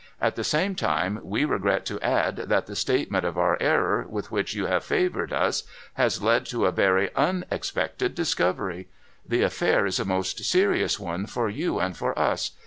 At the same time, we regret to add that the statement of our error, with which you have favoured us, has led to a very unexpected discovery. The affair is a most serious one for you and for us.